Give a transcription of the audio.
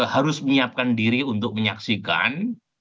harus menyiapkan diri untuk menyaksikan